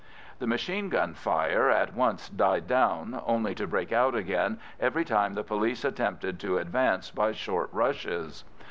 The machine gun fire at once died down, only to break out again every time the police attempted to advance by short rushes.